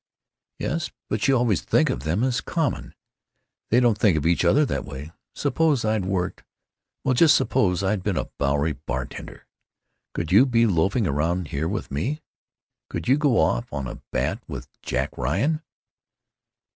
"Yes, but you always think of them as 'common.' They don't think of each other that way. Suppose I'd worked——Well, just suppose I'd been a Bowery bartender. Could you be loafing around here with me? Could you go off on a bat with Jack Ryan?"